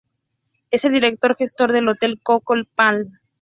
Es el director gestor del Hotel Coco Palm.